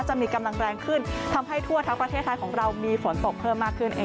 จะมีกำลังแรงขึ้นทำให้ทั่วทั้งประเทศไทยของเรามีฝนตกเพิ่มมากขึ้น